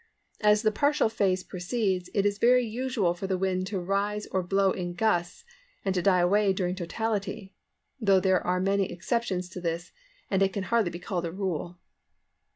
As the partial phase proceeds it is very usual for the wind to rise or blow in gusts and to die away during totality, though there are many exceptions to this, and it can hardly be called a rule.